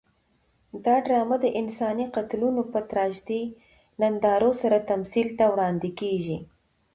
دا ډرامه د انساني قتلونو په تراژیدي نندارو سره تمثیل ته وړاندې کېږي.